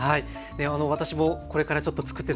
私もこれからちょっとつくってですね